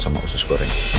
sama usus goreng